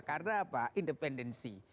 karena apa independensi